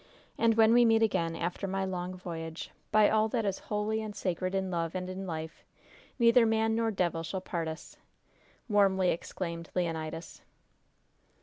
And when we meet again, after my long voyage, by all that is holy and sacred in love and in life neither man nor devil shall part us!" warmly exclaimed Leonidas.